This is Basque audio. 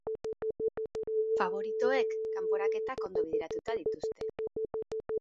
Faboritoek, kanporaketak ondo bideratuta dituzte.